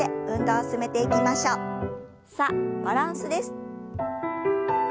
さあバランスです。